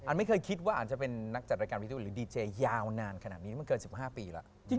ไม่เคยคิดว่าอันจะเป็นนักจัดรายการวิทูลหรือดีเจยาวนานขนาดนี้มันเกิน๑๕ปีแล้ว